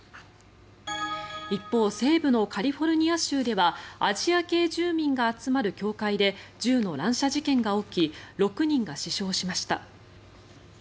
一方西部のカリフォルニア州ではアジア系住民が集まる教会で銃の乱射事件が起き６人が死傷しました。